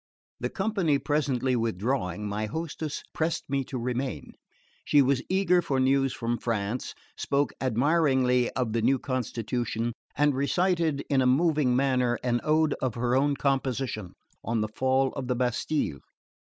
The company presently withdrawing, my hostess pressed me to remain. She was eager for news from France, spoke admiringly of the new constitution, and recited in a moving manner an Ode of her own composition on the Fall of the Bastille.